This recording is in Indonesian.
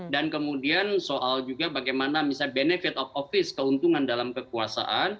dan kemudian soal juga bagaimana misalnya benefit of office keuntungan dalam kekuasaan